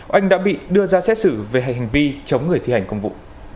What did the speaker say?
oanh đã bị đưa ra xét xử về hành vi chống người thi hành công vụ